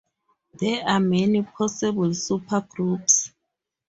There are many possible supergroups.